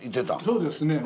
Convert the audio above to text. そうですねもう。